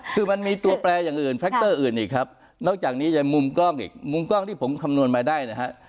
คือมันมีตัวแปลอย่างอื่นแทรคเตอร์อื่นอีกครับนอกจากนี้จะมุมกล้องอีกมุมกล้องที่ผมคำนวณมาได้นะฮะ